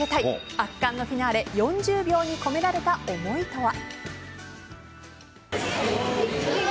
圧巻のフィナーレ４０秒に込められた思いとは。